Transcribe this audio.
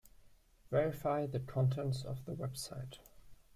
Verify the contents of the website.